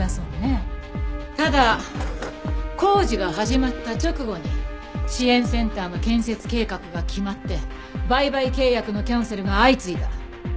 ただ工事が始まった直後に支援センターの建設計画が決まって売買契約のキャンセルが相次いだ。